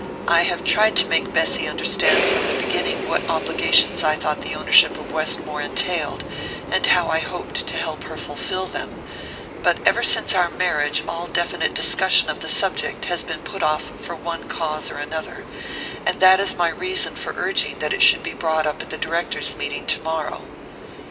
I have tried to make Bessy understand from the beginning what obligations I thought the ownership of Westmore entailed, and how I hoped to help her fulfill them; but ever since our marriage all definite discussion of the subject has been put off for one cause or another, and that is my reason for urging that it should be brought up at the directors' meeting tomorrow."